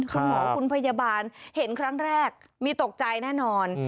คุณหมอคุณพยาบาลเห็นครั้งแรกมีตกใจแน่นอน